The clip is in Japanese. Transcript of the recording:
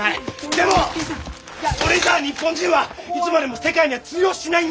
でもそれじゃあ日本人はいつまでも世界には通用しないんだよ！